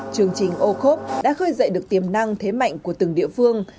chương trình ocop đã khơi dậy được tiềm năng thế mạnh của từng địa phương